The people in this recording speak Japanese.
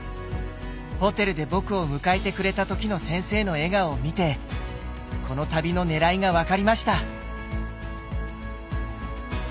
ホテルで僕を迎えてくれた時の先生の笑顔を見てこの旅のねらいが分かりました。